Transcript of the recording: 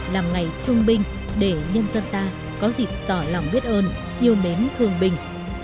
làm ngày thương binh để nhân dân ta có dịp tỏ lòng biết ơn yêu mến thương binh